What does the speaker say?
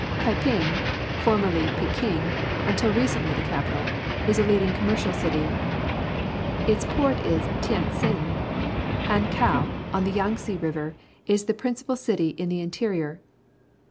Peiping, formerly Peking, until recently the capital, is a leading commercial citj'. Its port is Tientsin. Hankow^on the Yangtze River, is the principal city in the interior.